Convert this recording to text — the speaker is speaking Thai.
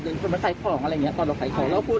เดินเข้ามาใส่ของอะไรอย่างนี้ตอนเราใส่ของเราพูด